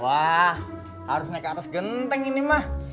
wah harus naik ke atas genteng ini mah